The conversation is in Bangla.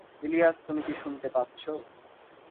ইলিয়াস, তুমি কি শুনতে পাচ্ছ?